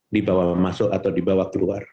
dibawa masuk atau dibawa keluar